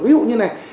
ví dụ như này